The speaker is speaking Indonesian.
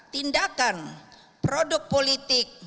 tindakan produk politik